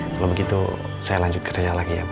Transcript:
kalau begitu saya lanjut kerja lagi ya